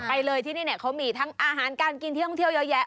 ไปเลยที่นี่เนี่ยเขามีทั้งอาหารการกินที่ท่องเที่ยวเยอะแยะ